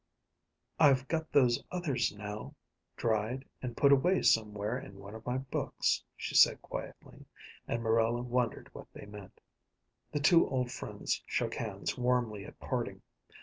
"I've got those others now, dried and put away somewhere in one of my books," she said quietly, and Marilla wondered what they meant. The two old friends shook hands warmly at parting.